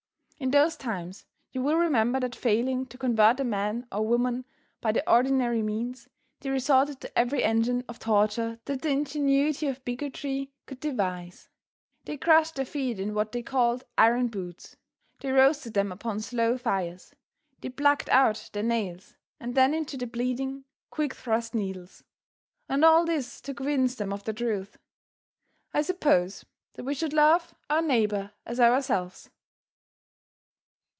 In those times you will remember that failing to convert a man or woman by the ordinary means, they resorted to every engine of torture that the ingenuity of bigotry could devise; they crushed their feet in what they called iron boots; they roasted them upon slow fires; they plucked out their nails, and then into the bleeding quick thrust needles; and all this to convince them of the truth. I suppose that we should love our neighbor as ourselves.